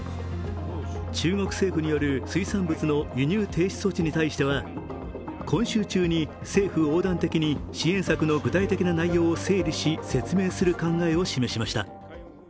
中国政府による水産物の輸入停止措置に対しては今週中に政府横断的に支援策の具体的な内容を整理し、説明する考えを示しました。